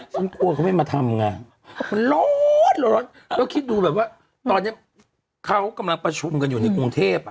กลัวเขาไม่มาทำไงมันร้อนร้อนแล้วคิดดูแบบว่าตอนนี้เขากำลังประชุมกันอยู่ในกรุงเทพอ่ะ